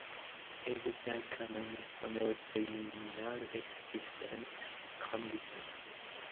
It is an uncommon, some would say nonexistent, condition.